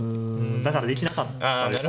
だからできなかったですね。